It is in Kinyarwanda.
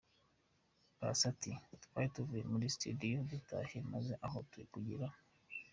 Paccy ati Twari tuvuye kuri studio dutashye maze aho kugira.